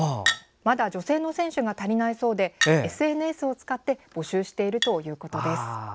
まだ女性の選手が足りないそうでＳＮＳを使って募集しているそうです。